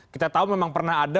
kita tahu memang pernah ada